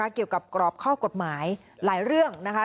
เกี่ยวกับกรอบข้อกฎหมายหลายเรื่องนะคะ